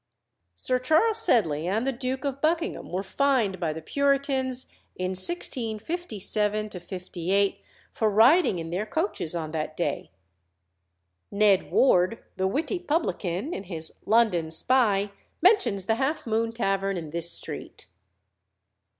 Sir Charles Sedley and the Duke of Buckingham were fined by the Puritans in 1657 58 for riding in their coaches on that day. Ned Ward, the witty publican, in his London Spy, mentions the Half Moon Tavern in this street.